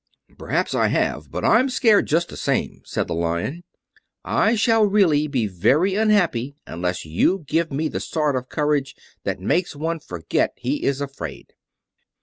"Perhaps I have, but I'm scared just the same," said the Lion. "I shall really be very unhappy unless you give me the sort of courage that makes one forget he is afraid."